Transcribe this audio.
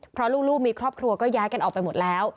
เพราะลูกมีครอบครัวก็ย้ายกันออกไปหมดแล้ว